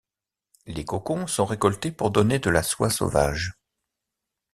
Les cocons sont récoltés pour donner de la soie sauvage.